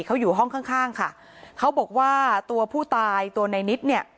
เขาอยู่ห้องข้างข้างค่ะเขาบอกว่าตัวผู้ตายตัวในนิดเนี่ย